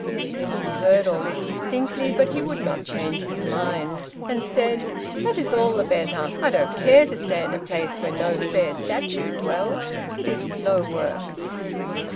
Genji heard all this distinctly, but he would not change his mind, and said, "That is all the better! I don't care to stay in a place where no fair statue dwells; it is slow work."